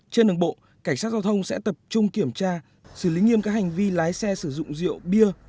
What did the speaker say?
trên đường bộ cảnh sát giao thông sẽ tập trung kiểm tra xử lý nghiêm các hành vi lái xe sử dụng rượu bia